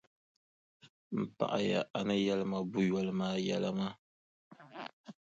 M paɣiya a ni yɛli ma buʼ yoli maa yɛla maa.